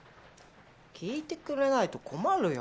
効いてくれないと困るよ。